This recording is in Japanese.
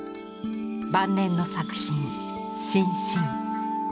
晩年の作品「心神」。